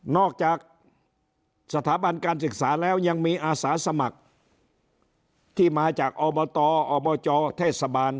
จากสถาบันการศึกษาแล้วยังมีอาสาสมัครที่มาจากอบตอบจเทศบาล